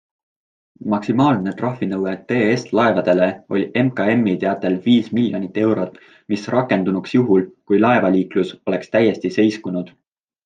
Maksimaalne trahvinõue TS Laevadele oli MKMi teatel viis miljonit eurot, mis rakendunuks juhul, kui laevaliiklus oleks täiesti seiskunud.